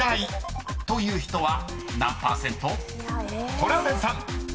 ［トラウデンさん］